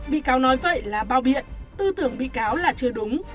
bị cáo nói vậy là bao biện tư tưởng bị cáo là chưa đúng